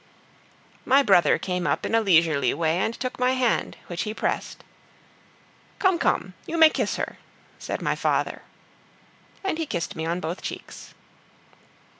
My brother came up in a leisurely way and took my hand, which he pressed. "Come, come, you may kiss her," said my father. And he kissed me on both cheeks.